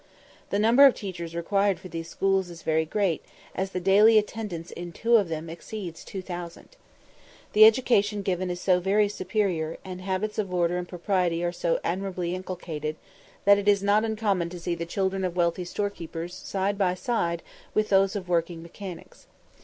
The number of teachers required for these schools is very great, as the daily attendance in two of them exceeds 2000. The education given is so very superior, and habits of order and propriety are so admirably inculcated, that it is not uncommon to see the children of wealthy storekeepers side by side with those of working mechanics.